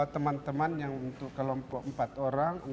teman teman yang untuk kelompok empat orang